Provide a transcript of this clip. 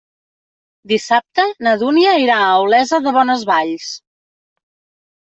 Dissabte na Dúnia irà a Olesa de Bonesvalls.